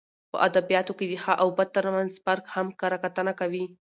په اد بیاتو کښي د ښه او بد ترمنځ فرق هم کره کتنه کوي.